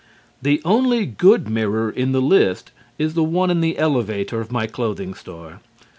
] The only good mirror in the list is the one in the elevator of my clothing store.